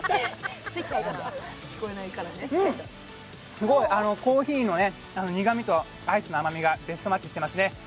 すごい、コーヒーの苦みとアイスの甘みがベストマッチしてますね。